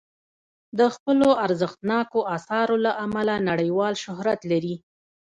د خپلو ارزښتناکو اثارو له امله نړیوال شهرت لري.